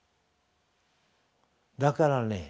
だからね